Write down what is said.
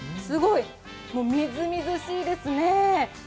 すごい、みずみずしいですね。